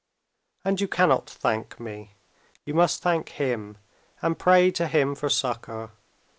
And you cannot thank me. You must thank Him, and pray to Him for succor.